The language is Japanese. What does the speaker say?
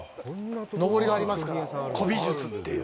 のぼりがありますから、古美術という。